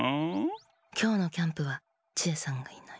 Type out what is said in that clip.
きょうのキャンプはチエさんがいない。